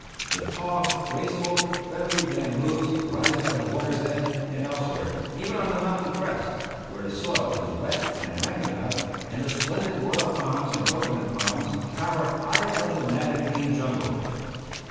The tall, graceful, feathery bamboos rise by the water's edge, and elsewhere, even on the mountain crests, where the soil is wet and rank enough; and the splendid royal palms and cocoanut palms tower high above the matted green jungle.